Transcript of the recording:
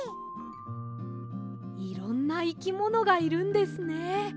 いろんないきものがいるんですね。